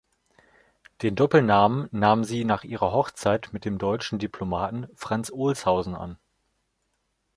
Den Doppelnamen nahm sie nach ihrer Hochzeit mit dem deutschen Diplomaten Franz Olshausen an.